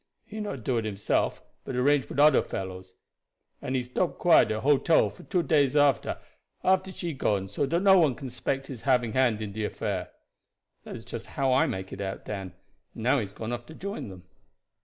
He not do it himself, but arrange wid oder fellows, and he stop quiet at de hotel for two days after she gone so dat no one can 'spect his having hand in de affair." "That is just how I make it out, Dan; and now he has gone off to join them."